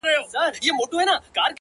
• “ما چي د زاهد کیسه کول تاسي به نه منل,